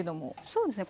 そうですね。